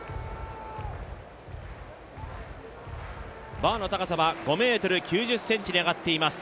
バーの高さは５ｍ９０ｃｍに上がっています。